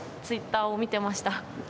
ツイッターを見てました。